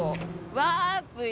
ワープよ。